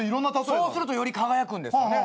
そうするとより輝くんですよね。